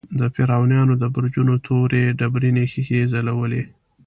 د فرعونیانو د برجونو تورې ډبرینې ښیښې ځلولې.